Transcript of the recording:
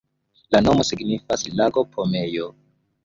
La nomo signifas lago-pomejo.